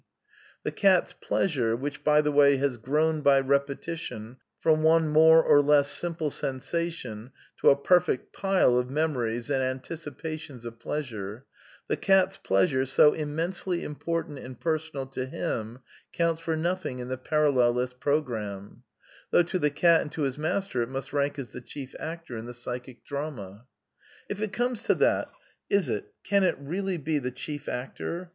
The cat's pleas ure (which, by the way, has grown by repetition from one more or less simple sensation to a perfect pile of memories and anticipations of pleasure), the Cat's Pleasure, so im mensely important and personal to him, counts for nothing in the parallelist's programme; though to the cat and to his master it must rank as the chief actor in the psychic drama. If it comes to that, is it, can it be, really the chief actor?